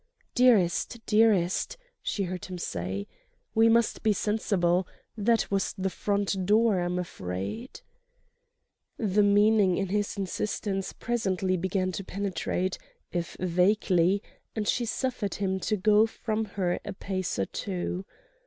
"Dearest, dearest!" she heard him say. "We must be sensible. That was the front door, I'm afraid." The meaning in his insistence presently began to penetrate, if vaguely, and she suffered him to go from her a pace or two.